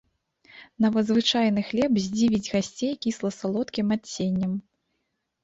Нават звычайны хлеб здзівіць гасцей кісла-салодкім адценнем.